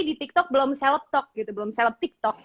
di tiktok belum selebtok gitu belum selebtiktok